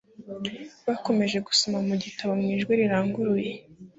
Bakomeza gusoma e mu gitabo mu ijwi riranguruye